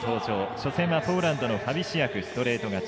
初戦はポーランドのファビシアクストレート勝ち。